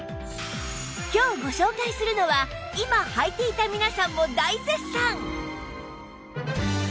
今日ご紹介するのは今はいていた皆さんも大絶賛！